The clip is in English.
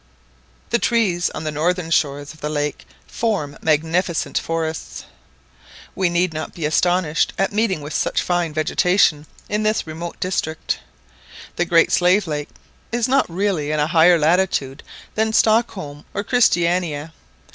The trees on the northern shores of the lake form magnificent forests. We need not be astonished at meeting with such fine vegetation in this remote district. The Great Slave Lake is not really in a higher latitude than Stockholm or Christiania.